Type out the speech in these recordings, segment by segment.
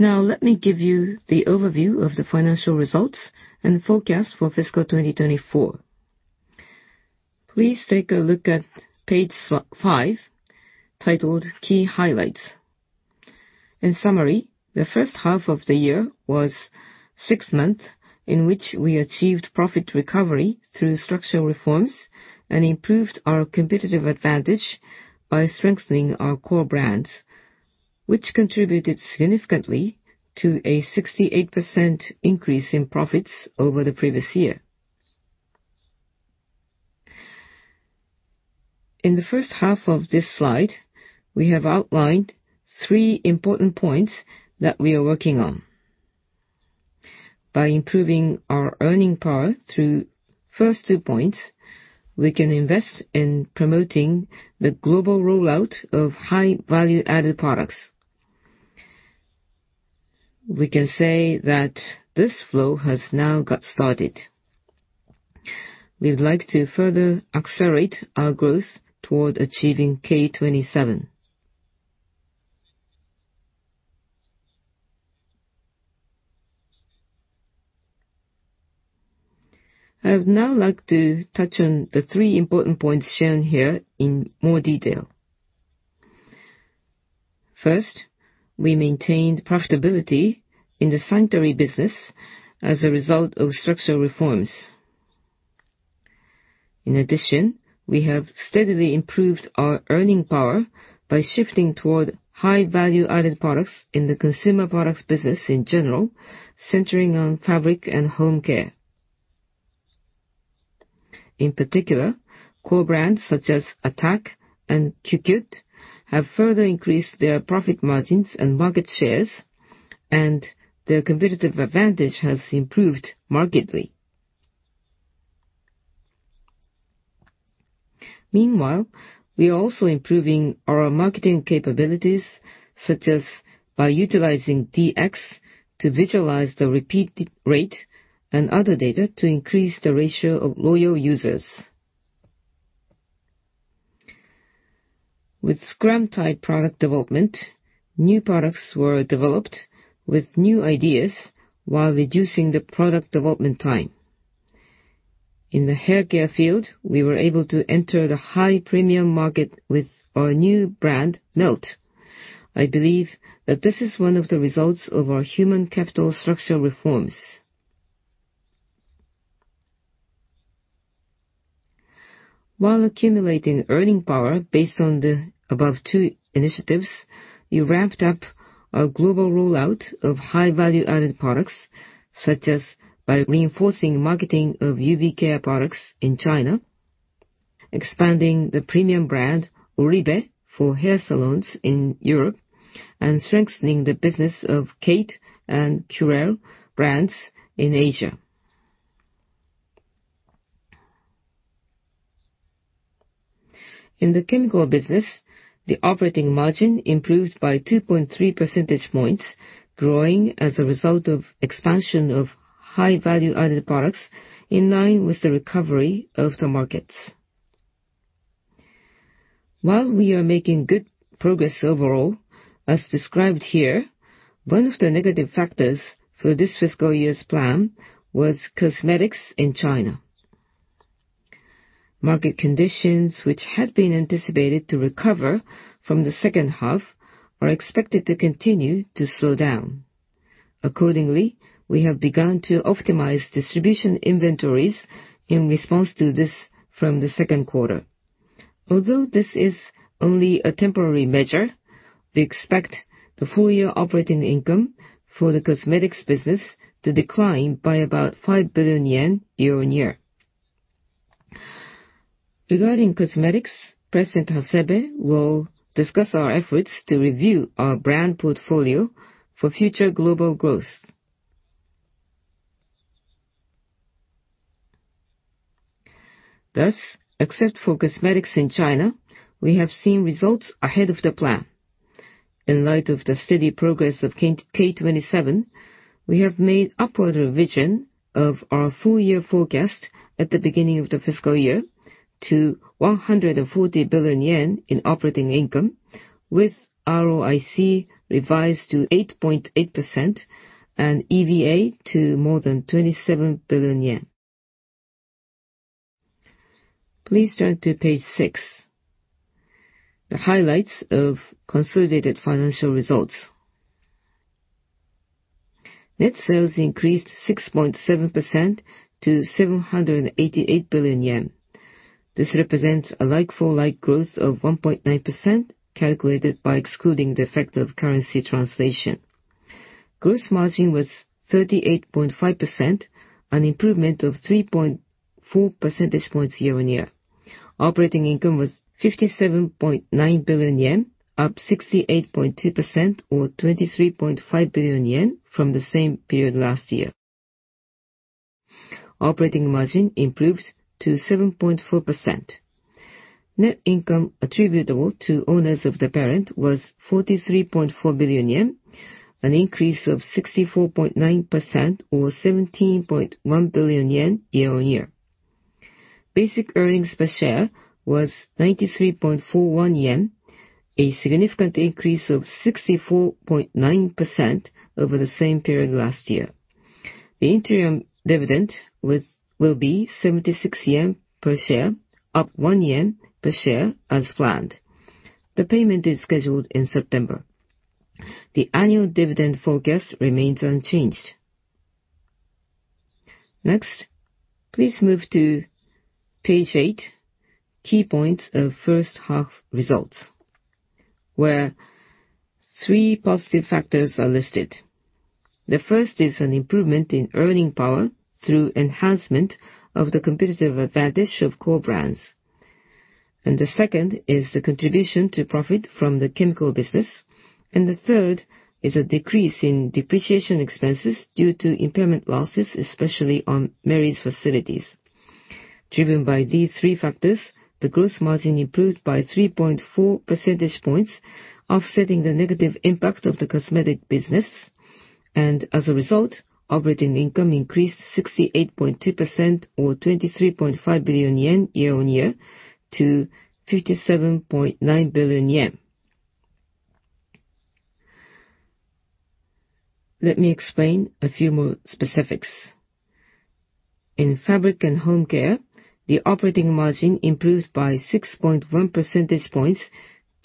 Now, let me give you the overview of the financial results and the forecast for fiscal 2024. Please take a look at page 5, titled "Key Highlights." In summary, the first half of the year was a six-month period in which we achieved profit recovery through structural reforms and improved our competitive advantage by strengthening our core brands, which contributed significantly to a 68% increase in profits over the previous year. In the first half of this slide, we have outlined three important points that we are working on. By improving our earning power through the first two points, we can invest in promoting the global rollout of high-value-added products. We can say that this flow has now got started. We'd like to further accelerate our growth toward achieving K27. I would now like to touch on the three important points shown here in more detail. First, we maintained profitability in the sanitary business as a result of structural reforms. In addition, we have steadily improved our earning power by shifting toward high-value-added products in the consumer products business in general, centering on fabric and home care. In particular, core brands such as Attack and CuCute have further increased their profit margins and market shares, and their competitive advantage has improved markedly. Meanwhile, we are also improving our marketing capabilities, such as by utilizing DX to visualize the repeat rate and other data to increase the ratio of loyal users. With scrum-type product development, new products were developed with new ideas while reducing the product development time. In the hair care field, we were able to enter the high premium market with our new brand, Melt. I believe that this is one of the results of our human capital structural reforms. While accumulating earning power based on the above two initiatives, we ramped up our global rollout of high-value-added products, such as by reinforcing the marketing of UV care products in China, expanding the premium brand Oribe for hair salons in Europe, and strengthening the business of KATE and Curél brands in Asia. In the chemical business, the operating margin improved by 2.3 percentage points, growing as a result of the expansion of high-value-added products in line with the recovery of the markets. While we are making good progress overall, as described here, one of the negative factors for this fiscal year's plan was cosmetics in China. Market conditions, which had been anticipated to recover from the second half, are expected to continue to slow down. Accordingly, we have begun to optimize distribution inventories in response to this from the second quarter. Although this is only a temporary measure, we expect the full-year operating income for the cosmetics business to decline by about 5 billion yen year-on-year. Regarding cosmetics, President Hasebe will discuss our efforts to review our brand portfolio for future global growth. Thus, except for cosmetics in China, we have seen results ahead of the plan. In light of the steady progress of K27, we have made an upward revision of our full-year forecast at the beginning of the fiscal year to 140 billion yen in operating income, with ROIC revised to 8.8% and EVA to more than 27 billion yen. Please turn to page 6, the highlights of consolidated financial results. Net sales increased 6.7% to 788 billion yen. This represents a like-for-like growth of 1.9%, calculated by excluding the effect of currency translation. Gross margin was 38.5%, an improvement of 3.4 percentage points year-on-year. Operating income was 57.9 billion yen, up 68.2% or 23.5 billion yen from the same period last year. Operating margin improved to 7.4%. Net income attributable to owners of the parent was 43.4 billion yen, an increase of 64.9% or 17.1 billion yen year-over-year. Basic earnings per share was 93.41 yen, a significant increase of 64.9% over the same period last year. The interim dividend will be 76 yen per share, up 1 yen per share as planned. The payment is scheduled in September. The annual dividend forecast remains unchanged. Next, please move to page 8, key points of first half results, where three positive factors are listed. The first is an improvement in earning power through enhancement of the competitive advantage of core brands. The second is the contribution to profit from the chemical business. The third is a decrease in depreciation expenses due to impairment losses, especially on Merries facilities. Driven by these three factors, the gross margin improved by 3.4 percentage points, offsetting the negative impact of the cosmetic business. As a result, operating income increased 68.2% or 23.5 billion yen year-on-year to 57.9 billion yen. Let me explain a few more specifics. In fabric and home care, the operating margin improved by 6.1 percentage points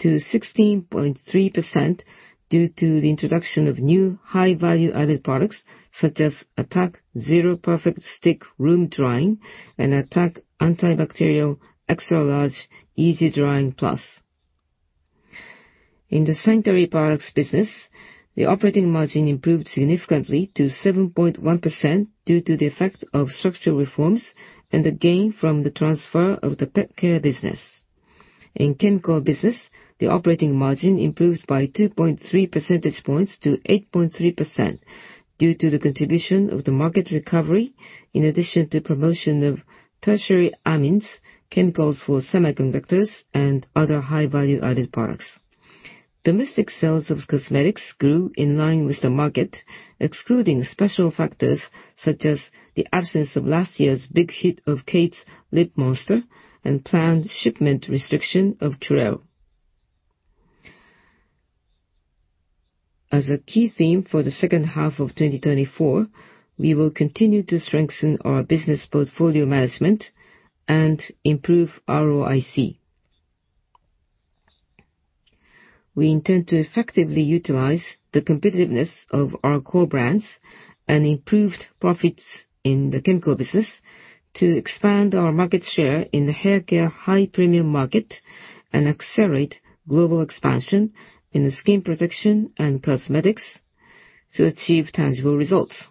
to 16.3% due to the introduction of new high-value-added products such as Attack ZERO Perfect Stick Room Drying and Attack Antibacterial Extra Large Easy Drying Plus. In the sanitary products business, the operating margin improved significantly to 7.1% due to the effect of structural reforms and the gain from the transfer of the pet care business. In chemical business, the operating margin improved by 2.3 percentage points to 8.3% due to the contribution of the market recovery, in addition to the promotion of tertiary amines chemicals for semiconductors and other high-value-added products. Domestic sales of cosmetics grew in line with the market, excluding special factors such as the absence of last year's big hit of KATE's Lip Monster and planned shipment restriction of Curél. As a key theme for the second half of 2024, we will continue to strengthen our business portfolio management and improve ROIC. We intend to effectively utilize the competitiveness of our core brands and improved profits in the chemical business to expand our market share in the hair care high premium market and accelerate global expansion in the skin protection and cosmetics to achieve tangible results.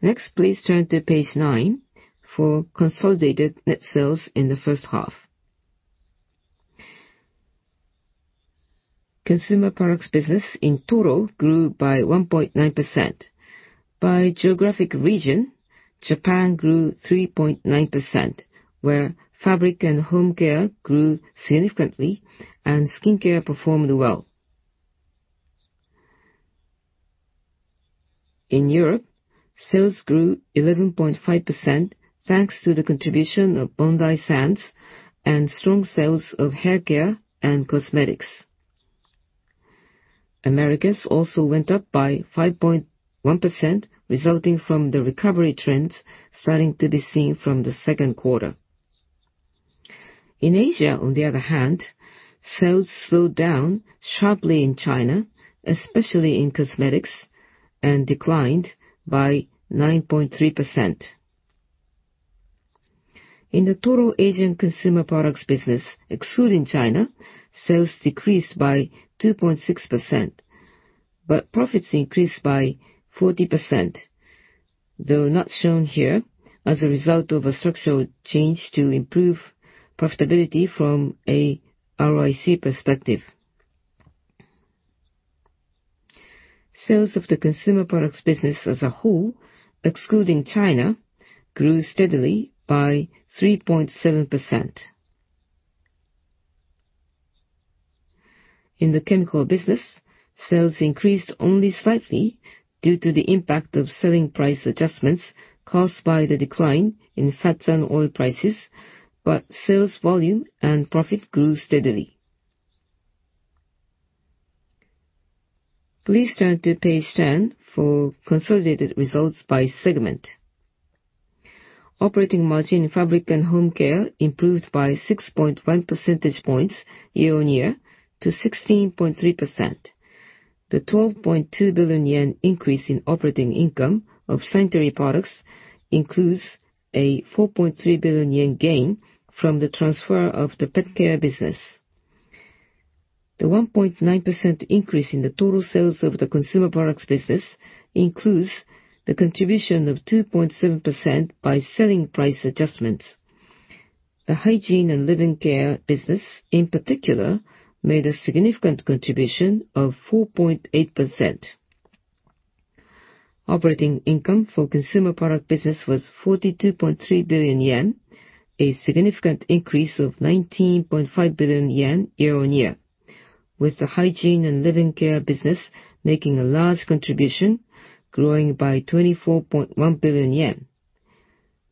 Next, please turn to page 9 for consolidated net sales in the first half. Consumer products business in total grew by 1.9%. By geographic region, Japan grew 3.9%, where fabric and home care grew significantly, and skincare performed well. In Europe, sales grew 11.5% thanks to the contribution of Bondi Sands and strong sales of hair care and cosmetics. Americas also went up by 5.1%, resulting from the recovery trends starting to be seen from the second quarter. In Asia, on the other hand, sales slowed down sharply in China, especially in cosmetics, and declined by 9.3%. In the total Asian consumer products business, excluding China, sales decreased by 2.6%, but profits increased by 40%, though not shown here, as a result of a structural change to improve profitability from an ROIC perspective. Sales of the consumer products business as a whole, excluding China, grew steadily by 3.7%. In the chemical business, sales increased only slightly due to the impact of selling price adjustments caused by the decline in fats and oil prices, but sales volume and profit grew steadily. Please turn to page 10 for consolidated results by segment. Operating margin in fabric and home care improved by 6.1 percentage points year-on-year to 16.3%. The 12.2 billion yen increase in operating income of sanitary products includes a 4.3 billion yen gain from the transfer of the pet care business. The 1.9% increase in the total sales of the consumer products business includes the contribution of 2.7% by selling price adjustments. The hygiene and living care business, in particular, made a significant contribution of 4.8%. Operating income for consumer product business was 42.3 billion yen, a significant increase of 19.5 billion yen year-on-year, with the hygiene and living care business making a large contribution, growing by 24.1 billion yen.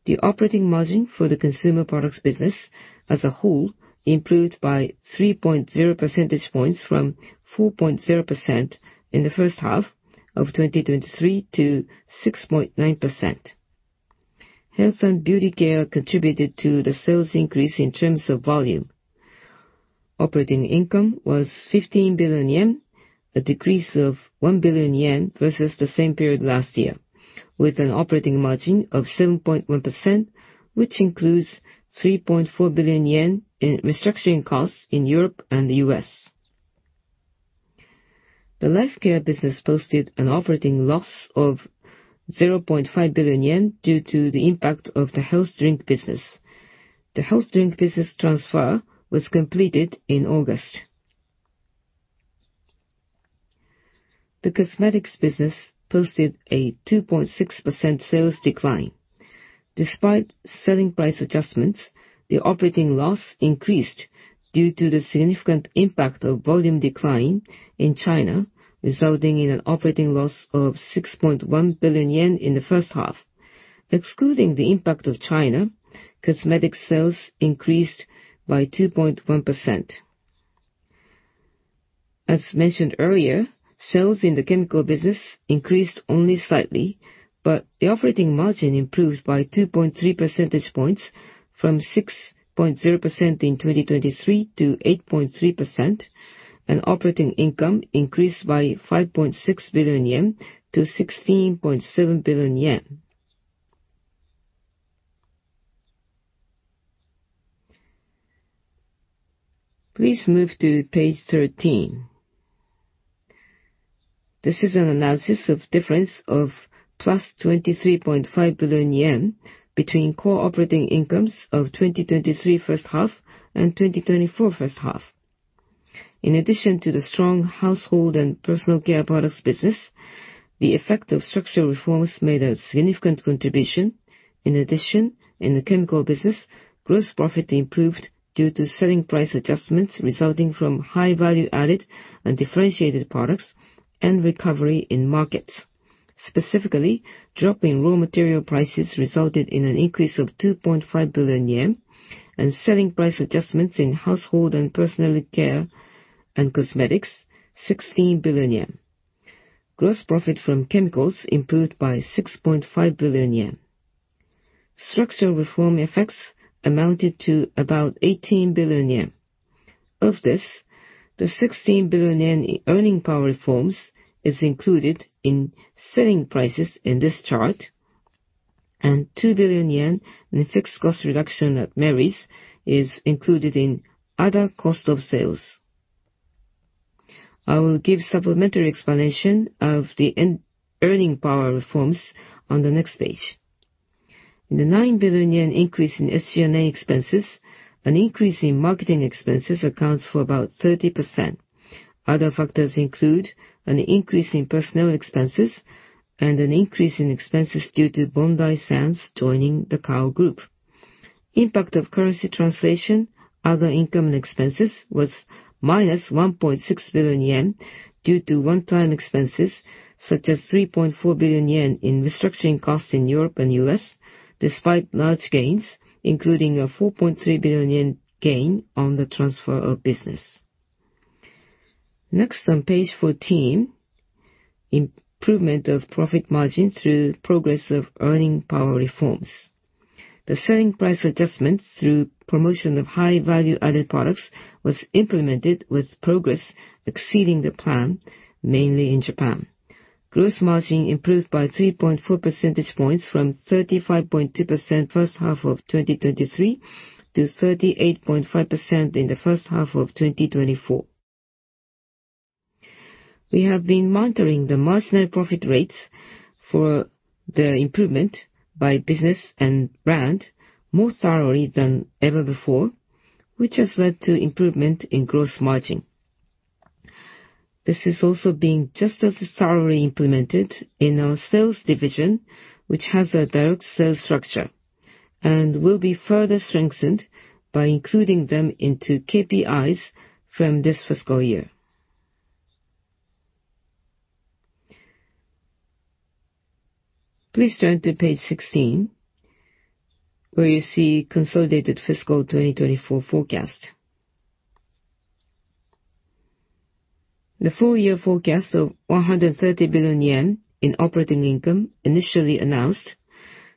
The operating margin for the consumer products business as a whole improved by 3.0 percentage points from 4.0% in the first half of 2023 to 6.9%. Health and beauty care contributed to the sales increase in terms of volume. Operating income was 15 billion yen, a decrease of 1 billion yen versus the same period last year, with an operating margin of 7.1%, which includes 3.4 billion yen in restructuring costs in Europe and the U.S. The life care business posted an operating loss of 0.5 billion yen due to the impact of the health drink business. The health drink business transfer was completed in August. The cosmetics business posted a 2.6% sales decline. Despite selling price adjustments, the operating loss increased due to the significant impact of volume decline in China, resulting in an operating loss of 6.1 billion yen in the first half. Excluding the impact of China, cosmetics sales increased by 2.1%. As mentioned earlier, sales in the chemical business increased only slightly, but the operating margin improved by 2.3 percentage points from 6.0% in 2023 to 8.3%, and operating income increased by 5.6 billion yen to 16.7 billion yen. Please move to page 13. This is an analysis of the difference of 23.5 billion yen between core operating incomes of 2023 first half and 2024 first half. In addition to the strong household and personal care products business, the effect of structural reforms made a significant contribution. In addition, in the chemical business, gross profit improved due to selling price adjustments resulting from high value-added and differentiated products and recovery in markets. Specifically, drop in raw material prices resulted in an increase of 2.5 billion yen, and selling price adjustments in household and personal care and cosmetics 16 billion yen. Gross profit from chemicals improved by 6.5 billion yen. Structural reform effects amounted to about 18 billion yen. Of this, the 16 billion yen in earning power reforms is included in selling prices in this chart, and 2 billion yen in fixed cost reduction at Merries is included in other cost of sales. I will give supplementary explanation of the earning power reforms on the next page. In the 9 billion yen increase in SG&A expenses, an increase in marketing expenses accounts for about 30%. Other factors include an increase in personnel expenses and an increase in expenses due to Bondi Sands joining the Kao Group. Impact of currency translation, other income and expenses was minus 1.6 billion yen due to one-time expenses such as 3.4 billion yen in restructuring costs in Europe and U.S., despite large gains, including a 4.3 billion yen gain on the transfer of business. Next, on page 14, improvement of profit margin through progress of earning power reforms. The selling price adjustment through promotion of high value-added products was implemented with progress exceeding the plan, mainly in Japan. Gross margin improved by 3.4 percentage points from 35.2% first half of 2023 to 38.5% in the first half of 2024. We have been monitoring the marginal profit rates for the improvement by business and brand more thoroughly than ever before, which has led to improvement in gross margin. This is also being just as thoroughly implemented in our sales division, which has a direct sales structure and will be further strengthened by including them into KPIs from this fiscal year. Please turn to page 16, where you see consolidated fiscal 2024 forecast. The full-year forecast of 130 billion yen in operating income initially announced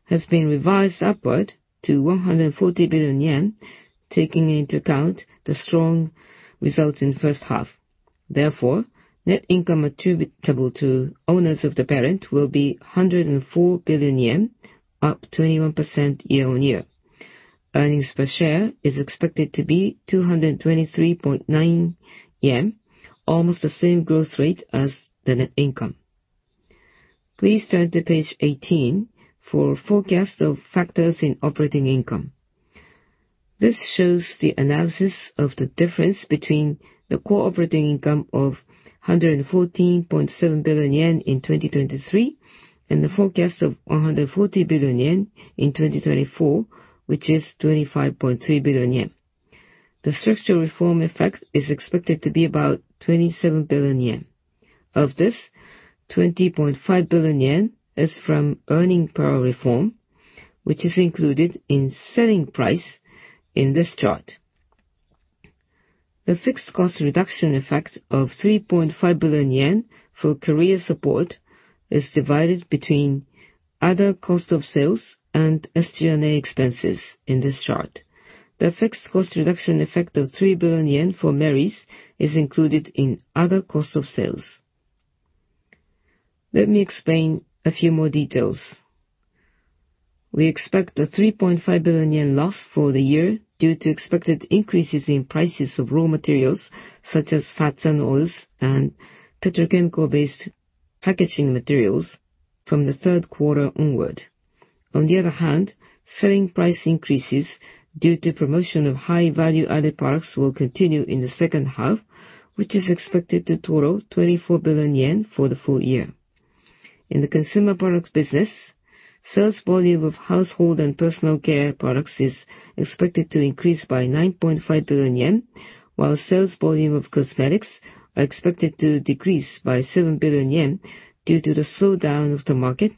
has been revised upward to 140 billion yen, taking into account the strong results in first half. Therefore, net income attributable to owners of the parent will be 104 billion yen, up 21% year-on-year. Earnings per share is expected to be 223.9 yen, almost the same growth rate as the net income. Please turn to page 18 for forecast of factors in operating income. This shows the analysis of the difference between the core operating income of 114.7 billion yen in 2023 and the forecast of 140 billion yen in 2024, which is 25.3 billion yen. The structural reform effect is expected to be about 27 billion yen. Of this, 20.5 billion yen is from earning power reform, which is included in selling price in this chart. The fixed cost reduction effect of 3.5 billion yen for career support is divided between other cost of sales and SG&A expenses in this chart. The fixed cost reduction effect of 3 billion yen for Mary's is included in other cost of sales. Let me explain a few more details. We expect a 3.5 billion yen loss for the year due to expected increases in prices of raw materials such as fats and oils and petrochemical-based packaging materials from the third quarter onward. On the other hand, selling price increases due to promotion of high value-added products will continue in the second half, which is expected to total 24 billion yen for the full year. In the consumer products business, sales volume of household and personal care products is expected to increase by 9.5 billion yen, while sales volume of cosmetics are expected to decrease by 7 billion yen due to the slowdown of the market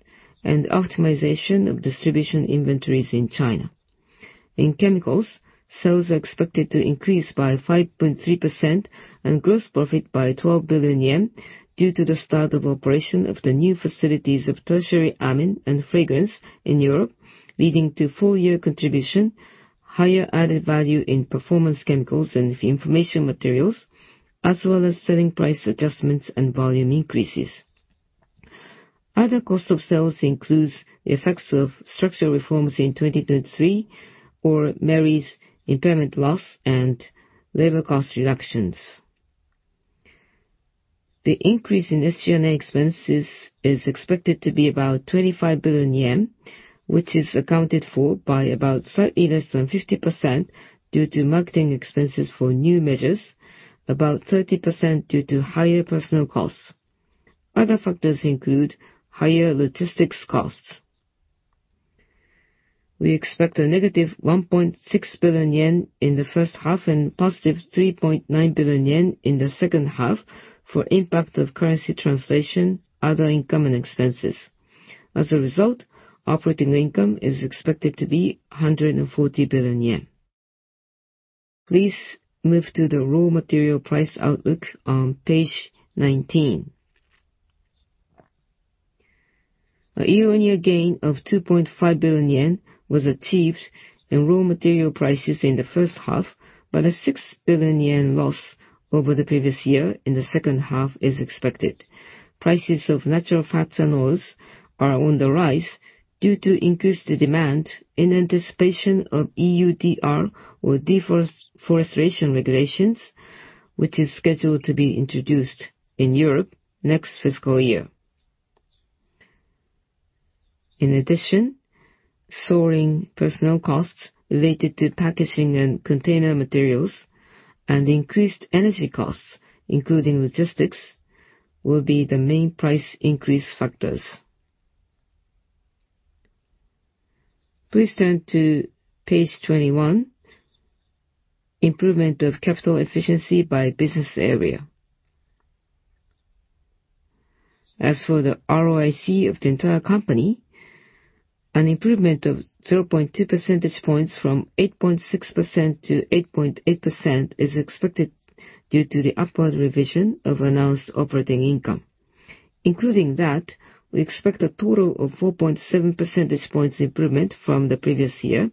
and optimization of distribution inventories in China. In chemicals, sales are expected to increase by 5.3% and gross profit by JPY 12 billion due to the start of operation of the new facilities of tertiary amine and fragrance in Europe, leading to full-year contribution, higher added value in performance chemicals and information materials, as well as selling price adjustments and volume increases. Other cost of sales includes effects of structural reforms in 2023 or Mary's impairment loss and labor cost reductions. The increase in SG&A expenses is expected to be about 25 billion yen, which is accounted for by about slightly less than 50% due to marketing expenses for new measures, about 30% due to higher personal costs. Other factors include higher logistics costs. We expect a negative 1.6 billion yen in the first half and positive 3.9 billion yen in the second half for impact of currency translation, other income, and expenses. As a result, operating income is expected to be 140 billion yen. Please move to the raw material price outlook on page 19. A year-on-year gain of 2.5 billion yen was achieved in raw material prices in the first half, but a 6 billion yen loss over the previous year in the second half is expected. Prices of natural fats and oils are on the rise due to increased demand in anticipation of EUDR or deforestation regulations, which is scheduled to be introduced in Europe next fiscal year. In addition, soaring personal costs related to packaging and container materials, and increased energy costs, including logistics, will be the main price increase factors. Please turn to page 21, improvement of capital efficiency by business area. As for the ROIC of the entire company, an improvement of 0.2 percentage points from 8.6%-8.8% is expected due to the upward revision of announced operating income. Including that, we expect a total of 4.7 percentage points improvement from the previous year,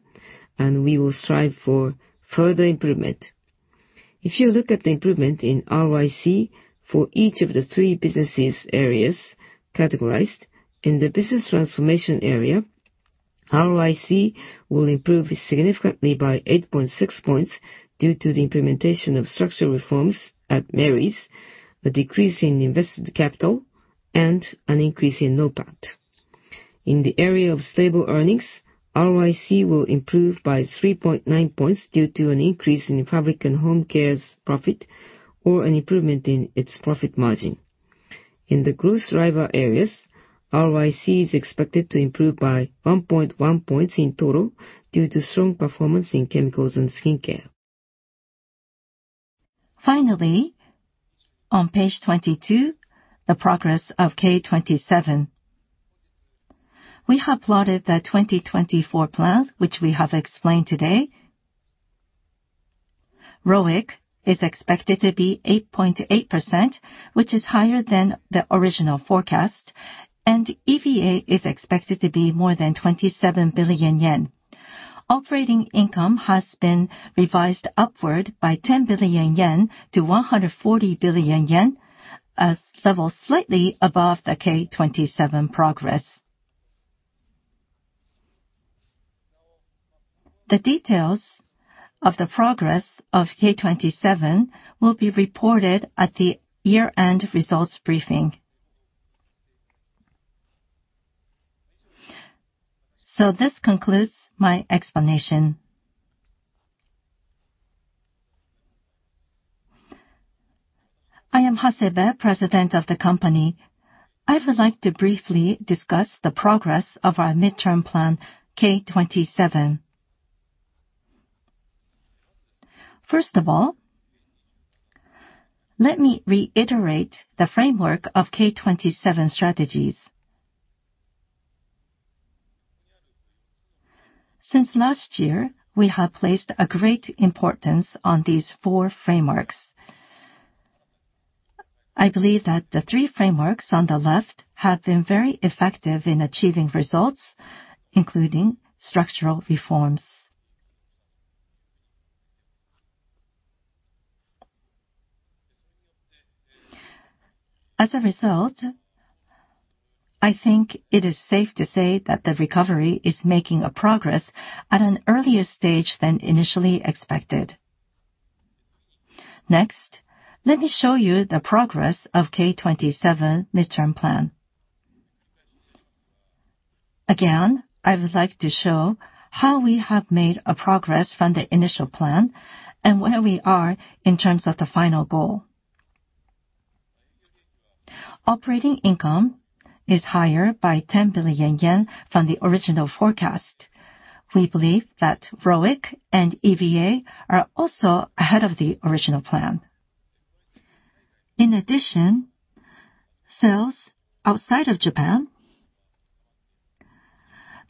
and we will strive for further improvement. If you look at the improvement in ROIC for each of the three business areas categorized, in the business transformation area, ROIC will improve significantly by 8.6 points due to the implementation of structural reforms at Mary's, a decrease in invested capital, and an increase in NOPAT. In the area of stable earnings, ROIC will improve by 3.9 points due to an increase in fabric and home care's profit or an improvement in its profit margin. In the growth vital areas, ROIC is expected to improve by 1.1 points in total due to strong performance in chemicals and skincare. Finally, on page 22, the progress of K27. We have plotted the 2024 plan, which we have explained today. ROIC is expected to be 8.8%, which is higher than the original forecast, and EVA is expected to be more than 27 billion yen. Operating income has been revised upward by 10 billion yen to 140 billion yen, a level slightly above the K27 progress. The details of the progress of K27 will be reported at the year-end results briefing. This concludes my explanation. I am Hasebe, President of the company. I would like to briefly discuss the progress of our midterm plan K27. First of all, let me reiterate the framework of K27 strategies. Since last year, we have placed a great importance on these four frameworks. I believe that the three frameworks on the left have been very effective in achieving results, including structural reforms. As a result, I think it is safe to say that the recovery is making progress at an earlier stage than initially expected. Next, let me show you the progress of K27 midterm plan. Again, I would like to show how we have made progress from the initial plan and where we are in terms of the final goal. Operating income is higher by 10 billion yen from the original forecast. We believe that ROIC and EVA are also ahead of the original plan. In addition, sales outside of Japan,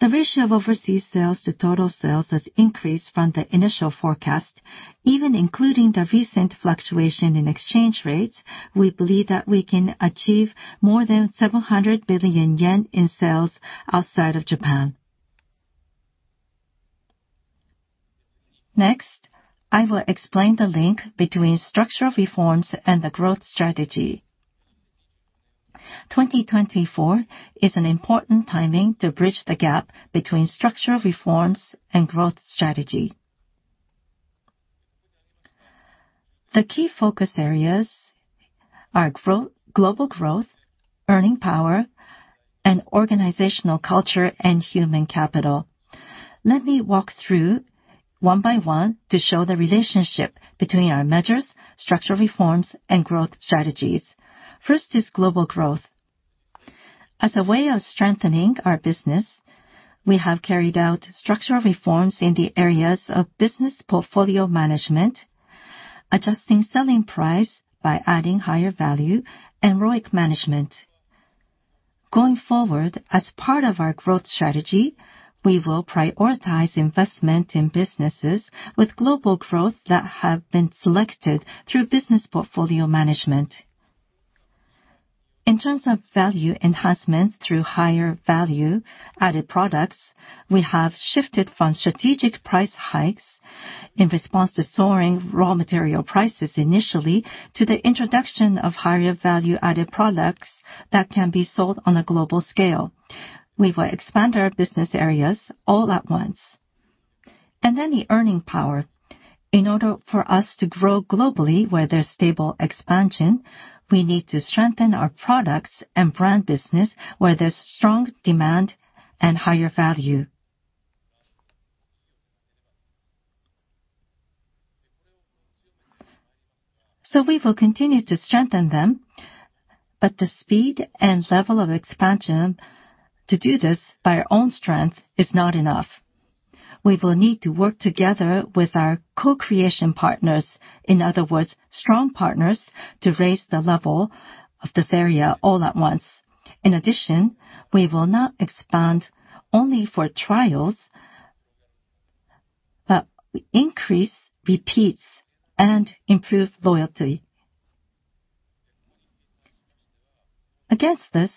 the ratio of overseas sales to total sales has increased from the initial forecast. Even including the recent fluctuation in exchange rates, we believe that we can achieve more than 700 billion yen in sales outside of Japan. Next, I will explain the link between structural reforms and the growth strategy. 2024 is an important timing to bridge the gap between structural reforms and growth strategy. The key focus areas are global growth, earning power, and organizational culture and human capital. Let me walk through one by one to show the relationship between our measures, structural reforms, and growth strategies. First is global growth. As a way of strengthening our business, we have carried out structural reforms in the areas of business portfolio management, adjusting selling price by adding higher value, and ROIC management. Going forward, as part of our growth strategy, we will prioritize investment in businesses with global growth that have been selected through business portfolio management. In terms of value enhancement through higher value-added products, we have shifted from strategic price hikes in response to soaring raw material prices initially to the introduction of higher value-added products that can be sold on a global scale. We will expand our business areas all at once. And then the earning power. In order for us to grow globally where there's stable expansion, we need to strengthen our products and brand business where there's strong demand and higher value. So we will continue to strengthen them, but the speed and level of expansion to do this by our own strength is not enough. We will need to work together with our co-creation partners, in other words, strong partners, to raise the level of this area all at once. In addition, we will not expand only for trials, but increase, repeat, and improve loyalty. Against this,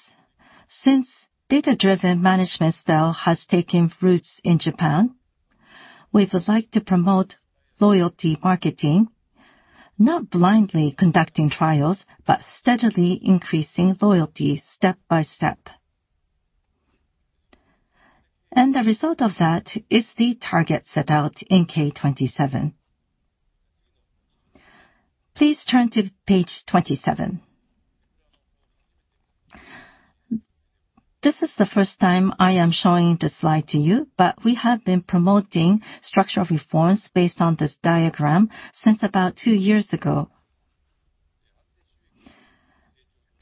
since data-driven management style has taken roots in Japan, we would like to promote loyalty marketing, not blindly conducting trials, but steadily increasing loyalty step by step. And the result of that is the target set out in K27. Please turn to page 27. This is the first time I am showing the slide to you, but we have been promoting structural reforms based on this diagram since about two years ago.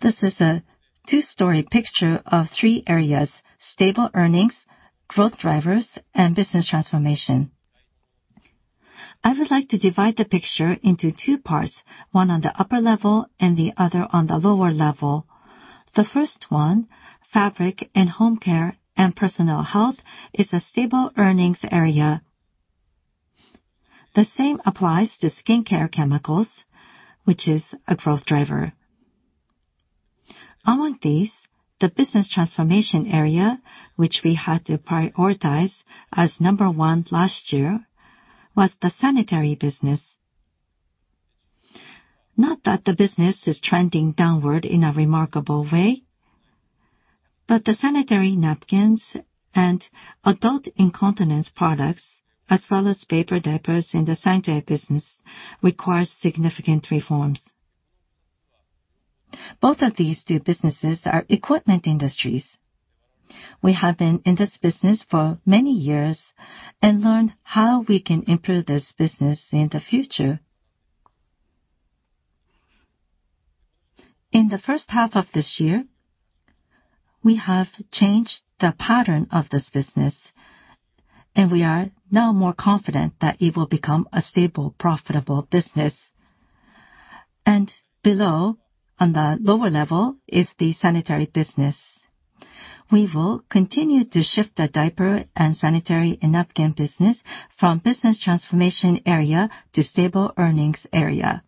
This is a two-story picture of three areas: stable earnings, growth drivers, and business transformation. I would like to divide the picture into two parts, one on the upper level and the other on the lower level. The first one, fabric and home care and personal health, is a stable earnings area. The same applies to skincare chemicals, which is a growth driver. Among these, the business transformation area, which we had to prioritize as number one last year, was the sanitary business. Not that the business is trending downward in a remarkable way, but the sanitary napkins and adult incontinence products, as well as paper diapers in the sanitary business, require significant reforms. Both of these two businesses are equipment industries. We have been in this business for many years and learned how we can improve this business in the future. In the first half of this year, we have changed the pattern of this business, and we are now more confident that it will become a stable, profitable business. Below, on the lower level, is the sanitary business. We will continue to shift the diaper and sanitary napkin business from business transformation area to stable earnings area.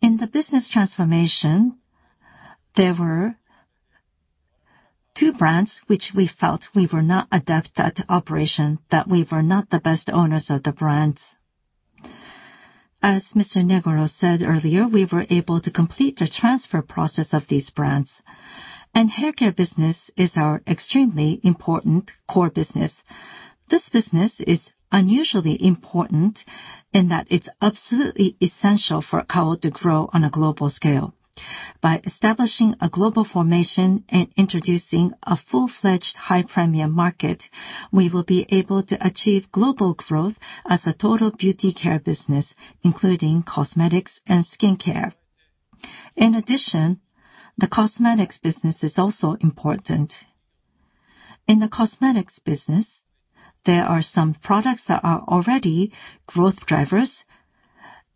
In the business transformation, there were two brands which we felt we were not adept at operation, that we were not the best owners of the brands. As Mr. Negoro said earlier, we were able to complete the transfer process of these brands. Haircare business is our extremely important core business. This business is unusually important in that it's absolutely essential for Kao to grow on a global scale. By establishing a global formation and introducing a full-fledged high-premium market, we will be able to achieve global growth as a total beauty care business, including cosmetics and skincare. In addition, the cosmetics business is also important. In the cosmetics business, there are some products that are already growth drivers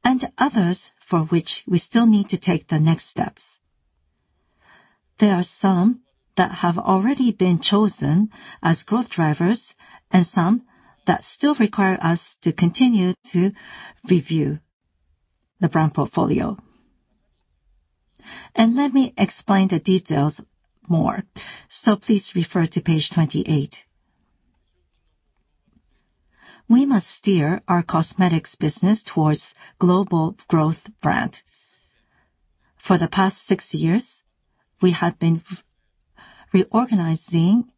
and others for which we still need to take the next steps. There are some that have already been chosen as growth drivers and some that still require us to continue to review the brand portfolio. Let me explain the details more. Please refer to page 28. We must steer our cosmetics business towards global growth brand. For the past six years, we have been reorganizing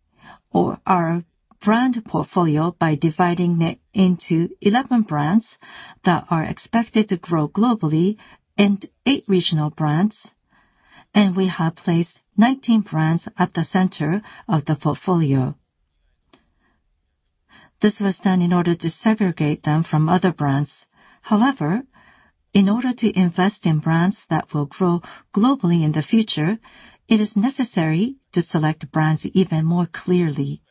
our brand portfolio by dividing it into 11 brands that are expected to grow globally and eight regional brands, and we have placed 19 brands at the center of the portfolio. This was done in order to segregate them from other brands. However, in order to invest in brands that will grow globally in the future, it is necessary to select brands even more clearly.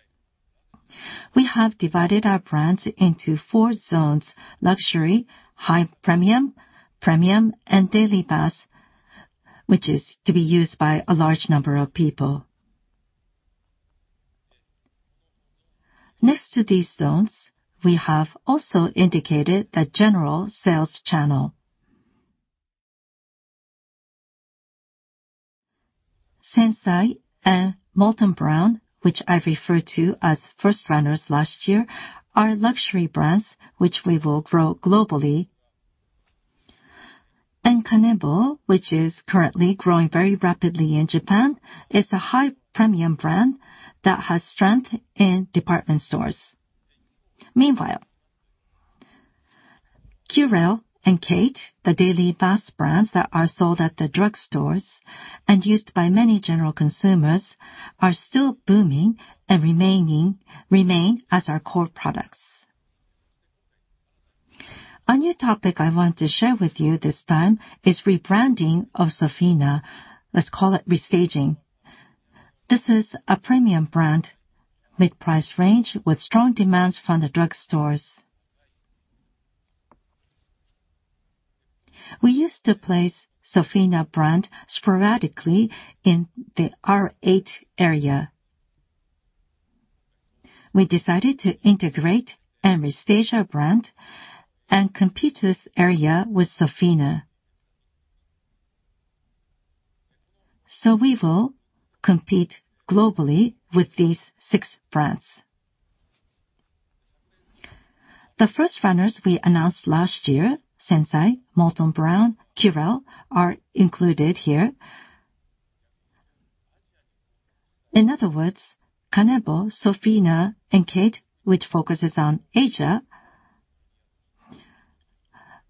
We have divided our brands into four zones: luxury, high premium, premium, and daily pass, which is to be used by a large number of people. Next to these zones, we have also indicated the general sales channel. SENSAI and Molton Brown, which I referred to as first runners last year, are luxury brands which we will grow globally. And Kanebo, which is currently growing very rapidly in Japan, is a high-premium brand that has strength in department stores. Meanwhile, Curél and KATE, the daily pass brands that are sold at the drugstores and used by many general consumers, are still booming and remain as our core products. A new topic I want to share with you this time is rebranding of SOFINA. Let's call it restaging. This is a premium brand, mid-price range, with strong demands from the drugstores. We used to place SOFINA brand sporadically in the R8 area. We decided to integrate and restage our brand and compete this area with SOFINA. So we will compete globally with these six brands. The first runners we announced last year, SENSAI, Molton Brown, Curél, are included here. In other words, Kanebo, SOFINA, and KATE, which focuses on Asia,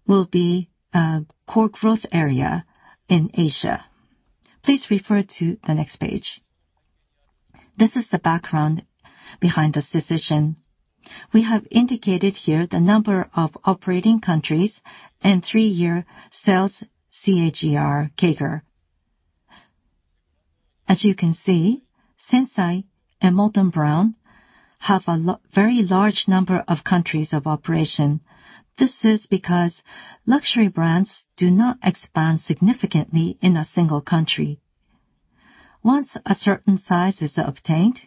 will be a core growth area in Asia. Please refer to the next page. This is the background behind this decision. We have indicated here the number of operating countries and three-year sales CAGR CAGR. As you can see, SENSAI and Molton Brown have a very large number of countries of operation. This is because luxury brands do not expand significantly in a single country. Once a certain size is obtained,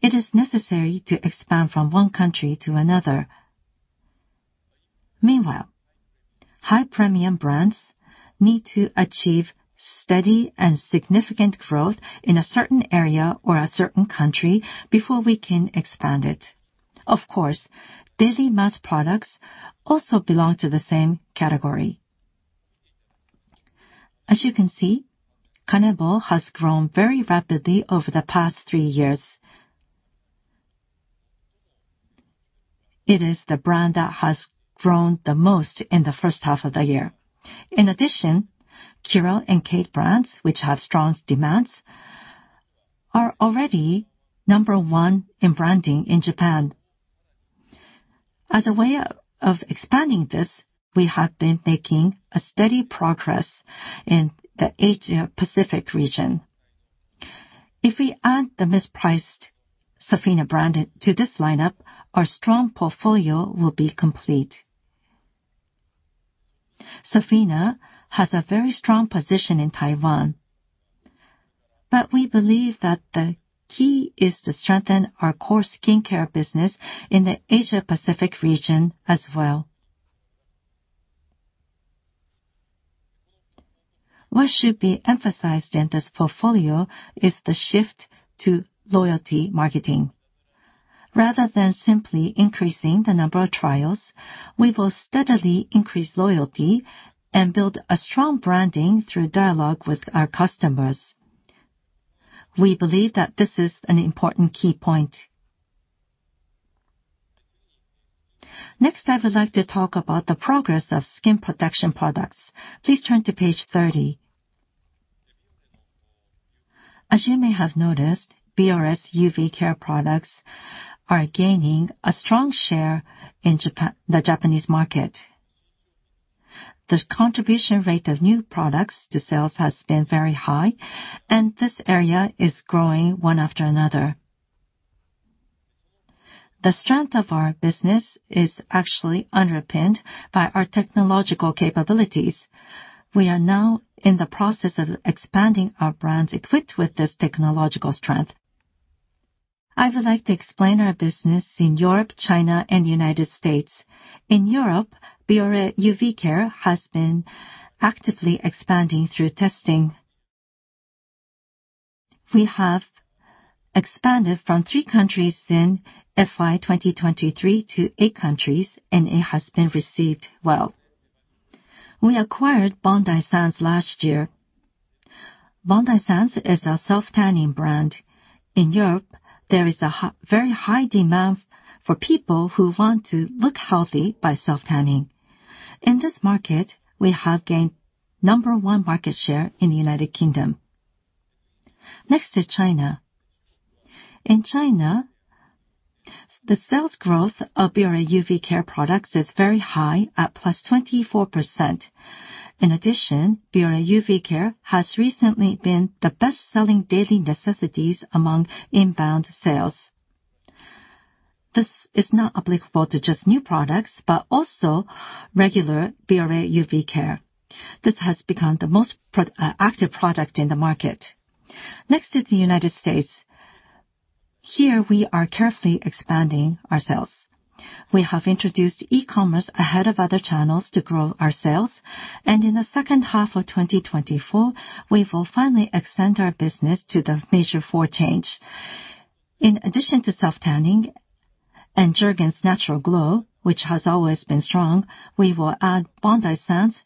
it is necessary to expand from one country to another. Meanwhile, high-premium brands need to achieve steady and significant growth in a certain area or a certain country before we can expand it. Of course, daily mass products also belong to the same category. As you can see, Kanebo has grown very rapidly over the past three years. It is the brand that has grown the most in the first half of the year. In addition, Curél and KATE brands, which have strong demands, are already number one in branding in Japan. As a way of expanding this, we have been making steady progress in the Asia-Pacific region. If we add the mispriced SOFINA brand to this lineup, our strong portfolio will be complete. SOFINA has a very strong position in Taiwan, but we believe that the key is to strengthen our core skincare business in the Asia-Pacific region as well. What should be emphasized in this portfolio is the shift to loyalty marketing. Rather than simply increasing the number of trials, we will steadily increase loyalty and build a strong branding through dialogue with our customers. We believe that this is an important key point. Next, I would like to talk about the progress of skin protection products. Please turn to page 30. As you may have noticed, Bioré UV care products are gaining a strong share in the Japanese market. The contribution rate of new products to sales has been very high, and this area is growing one after another. The strength of our business is actually underpinned by our technological capabilities. We are now in the process of expanding our brands equipped with this technological strength. I would like to explain our business in Europe, China, and the United States. In Europe, Bioré UV care has been actively expanding through testing. We have expanded from three countries in FY 2023 to eight countries, and it has been received well. We acquired Bondi Sands last year. Bondi Sands is a self-tanning brand. In Europe, there is a very high demand for people who want to look healthy by self-tanning. In this market, we have gained number one market share in the United Kingdom. Next is China. In China, the sales growth of Bioré UV care products is very high at +24%. In addition, Bioré UV care has recently been the best-selling daily necessities among inbound sales. This is not applicable to just new products, but also regular Bioré UV care. This has become the most active product in the market. Next is the United States. Here, we are carefully expanding our sales. We have introduced e-commerce ahead of other channels to grow our sales, and in the second half of 2024, we will finally extend our business to the major four chains. In addition to self-tanning and Jergens Natural Glow, which has always been strong, we will add Bondi Sands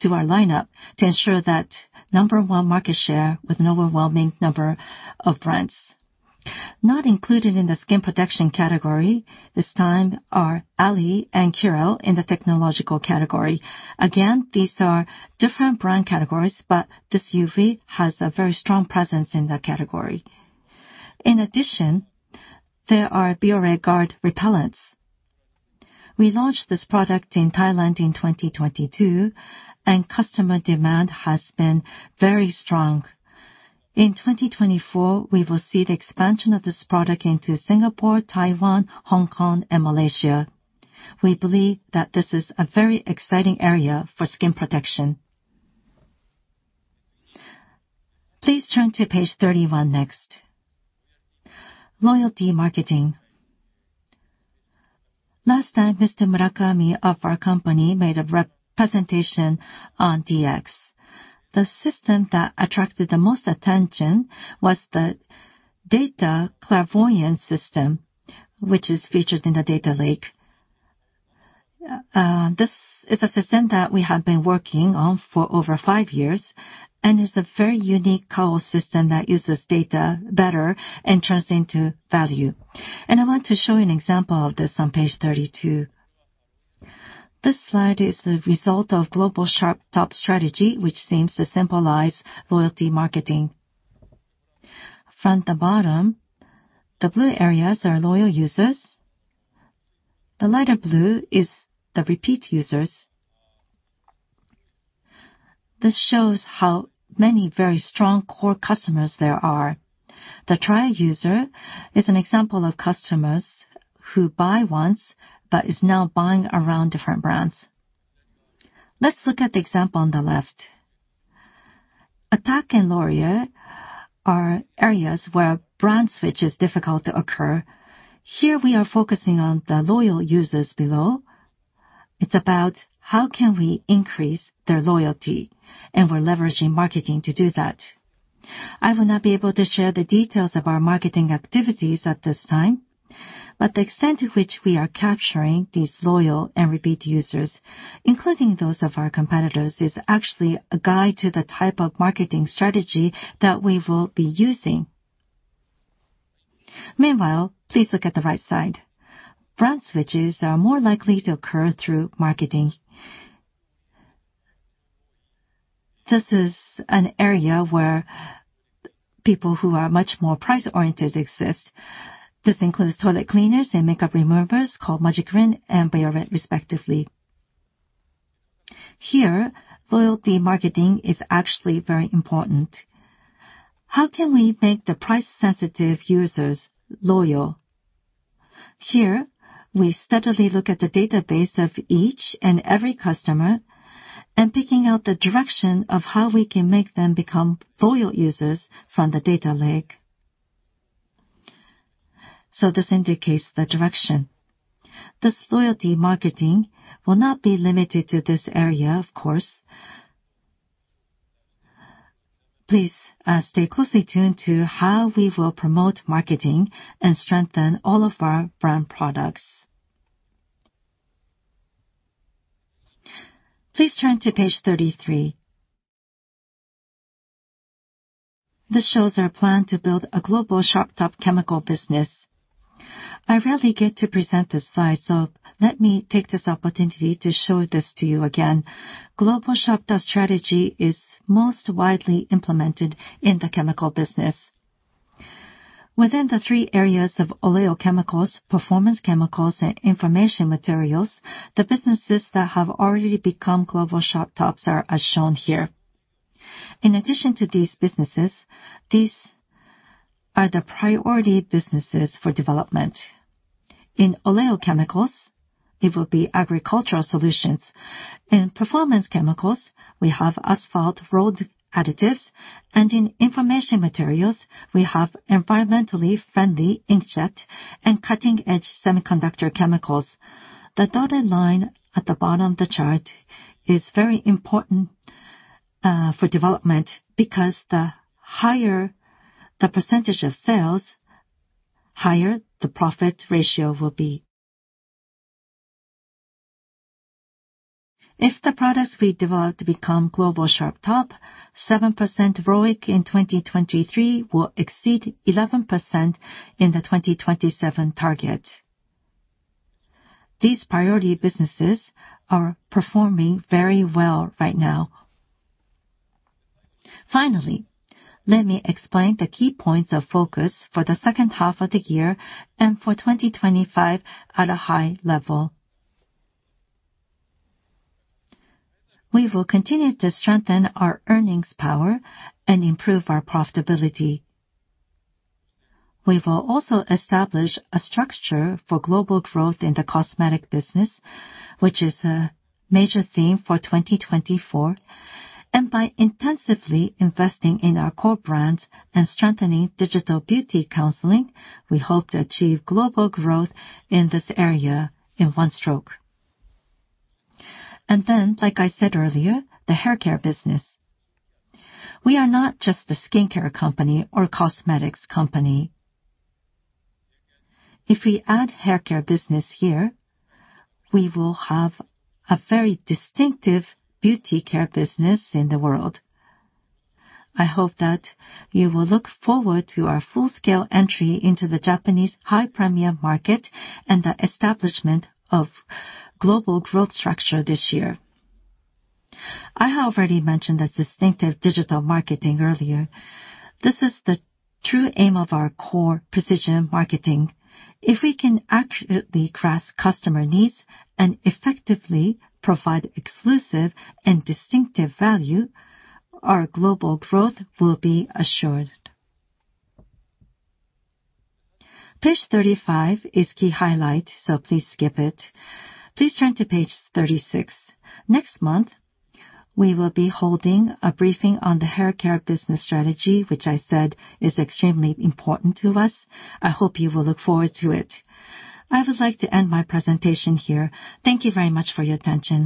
to our lineup to ensure that number one market share with an overwhelming number of brands. Not included in the skin protection category this time are ALLIE and Curél in the UV category. Again, these are different brand categories, but this UV has a very strong presence in that category. In addition, there are Bioré GUARD repellents. We launched this product in Thailand in 2022, and customer demand has been very strong. In 2024, we will see the expansion of this product into Singapore, Taiwan, Hong Kong, and Malaysia. We believe that this is a very exciting area for skin protection. Please turn to page 31 next. Loyalty marketing. Last time, Mr. Murakami of our company made a presentation on DX. The system that attracted the most attention was the data clairvoyant system, which is featured in the data lake. This is a system that we have been working on for over five years and is a very unique Kao system that uses data better and turns into value. And I want to show you an example of this on page 32. This slide is the result of Global Sharp Top strategy, which seems to symbolize loyalty marketing. From the bottom, the blue areas are loyal users. The lighter blue is the repeat users. This shows how many very strong core customers there are. The trial user is an example of customers who buy once but is now buying around different brands. Let's look at the example on the left. Attack and laundry are areas where brand switch is difficult to occur. Here, we are focusing on the loyal users below. It's about how can we increase their loyalty, and we're leveraging marketing to do that. I will not be able to share the details of our marketing activities at this time, but the extent to which we are capturing these loyal and repeat users, including those of our competitors, is actually a guide to the type of marketing strategy that we will be using. Meanwhile, please look at the right side. Brand switches are more likely to occur through marketing. This is an area where people who are much more price-oriented exist. This includes toilet cleaners and makeup removers called Magiclean and Bioré, respectively. Here, loyalty marketing is actually very important. How can we make the price-sensitive users loyal? Here, we steadily look at the database of each and every customer and pick out the direction of how we can make them become loyal users from the data lake. So this indicates the direction. This loyalty marketing will not be limited to this area, of course. Please stay closely tuned to how we will promote marketing and strengthen all of our brand products. Please turn to page 33. This shows our plan to build a Global Sharp Top chemical business. I rarely get to present this slide, so let me take this opportunity to show this to you again. Global Sharp Top strategy is most widely implemented in the chemical business. Within the three areas of oleo chemicals, performance chemicals, and information materials, the businesses that have already become Global Sharp Tops are as shown here. In addition to these businesses, these are the priority businesses for development. In oleo chemicals, it will be agricultural solutions. In performance chemicals, we have asphalt road additives, and in information materials, we have environmentally friendly inkjet and cutting-edge semiconductor chemicals. The dotted line at the bottom of the chart is very important for development because the higher the percentage of sales, the higher the profit ratio will be. If the products we develop to become Global Sharp Top, 7% ROIC in 2023 will exceed 11% in the 2027 target. These priority businesses are performing very well right now. Finally, let me explain the key points of focus for the second half of the year and for 2025 at a high level. We will continue to strengthen our earnings power and improve our profitability. We will also establish a structure for global growth in the cosmetic business, which is a major theme for 2024. By intensively investing in our core brands and strengthening digital beauty counseling, we hope to achieve global growth in this area in one stroke. Then, like I said earlier, the hair care business. We are not just a skincare company or cosmetics company. If we add hair care business here, we will have a very distinctive beauty care business in the world. I hope that you will look forward to our full-scale entry into the Japanese high-premium market and the establishment of global growth structure this year. I have already mentioned this distinctive digital marketing earlier. This is the true aim of our core precision marketing. If we can accurately grasp customer needs and effectively provide exclusive and distinctive value, our global growth will be assured. Page 35 is key highlight, so please skip it. Please turn to page 36. Next month, we will be holding a briefing on the hair care business strategy, which I said is extremely important to us. I hope you will look forward to it. I would like to end my presentation here. Thank you very much for your attention.